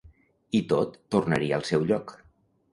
I tot tornaria al seu lloc.